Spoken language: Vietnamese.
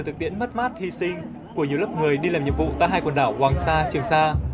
thực tiễn mất mát hy sinh của nhiều lớp người đi làm nhiệm vụ tại hai quần đảo hoàng sa trường sa